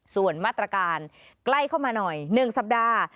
ส่วนมาตรการใกล้เข้ามาหน่อย๑สัปดาห์